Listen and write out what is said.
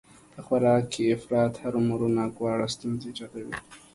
په خوراک کې افراط هرومرو ناګواره ستونزې ايجادوي